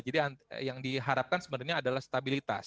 jadi yang diharapkan sebenarnya adalah stabilitas